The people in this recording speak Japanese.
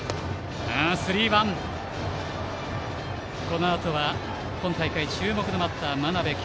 このあとは今大会注目のバッター真鍋慧。